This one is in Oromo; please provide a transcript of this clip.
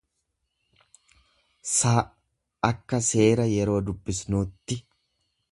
s akka seera yeroo dubbisnuutti.